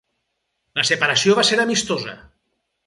La separació va ser amistosa.